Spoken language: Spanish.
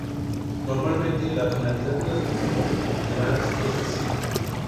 Normalmente la tonalidad de la trompeta de varas es "si".